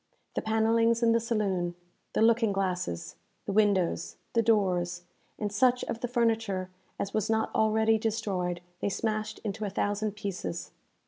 The panellings in the saloon, the looking glasses, the windows, the doors, and such of the furniture as was not already destroyed, they smashed into a thousand pieces.